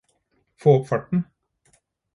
Få opp farten